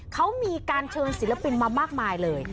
เขามีการเชิญศิลปินมามากมายเลย